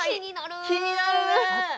気になる。